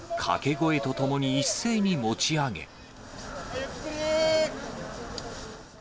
掛け声とともに一斉に持ち上げ。